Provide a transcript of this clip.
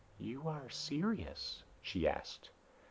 "You are serious?" she asked.